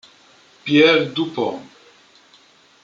Pierre Dupont